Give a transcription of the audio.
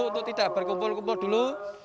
untuk tidak berkumpul kumpul dulu